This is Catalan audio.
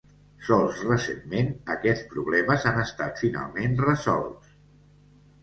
Sols recentment, aquests problemes han estat finalment resolts.